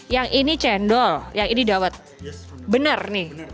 yang ini cendol yang ini daun benar nih